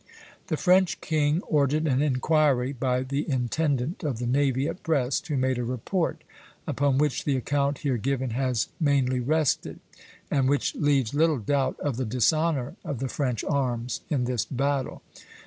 The French king ordered an inquiry by the intendant of the navy at Brest, who made a report upon which the account here given has mainly rested, and which leaves little doubt of the dishonor of the French arms in this battle.